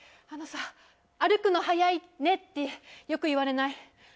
あのさ「歩くの速いね」ってよく言われない？